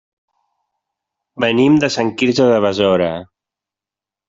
Venim de Sant Quirze de Besora.